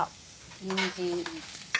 にんじん。